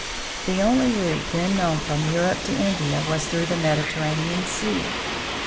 The only route then known from Europe to India was through the Mediterranean Sea.